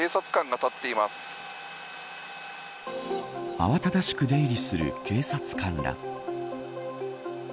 慌ただしく出入りする警察官ら。